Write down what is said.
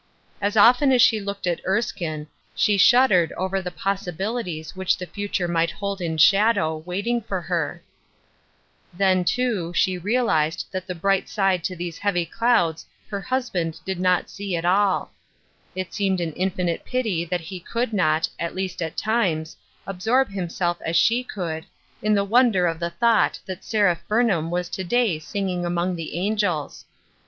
As often as she looked at Erskine, she shuddered over the possibilities which the future might hold in shadow, waiting for her. 292 " NEXT MOST. Then, too, she realized that the bright side to these heavy clouds her husband did not see at all. It seemed an infinite pity that he could not, at least at times, absorb himself as she could, in the wonder of the thought that Seraph Burnham was to day singing among the angels.